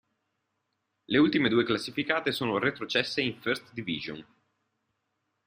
Le ultime due classificate sono retrocesse in First Division.